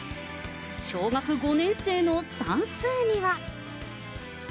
小学５年生の算数には。